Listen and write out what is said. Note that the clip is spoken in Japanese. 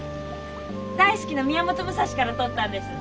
大好きな「宮本武蔵」から取ったんです。